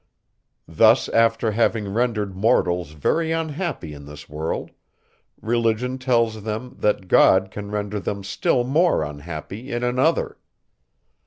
Thus after having rendered mortals very unhappy in this world, religion tells them, that God can render them still more unhappy in another!